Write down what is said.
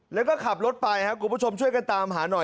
แล้วก็ขับรถไปครับคุณผู้ชมช่วยกันตามหาหน่อย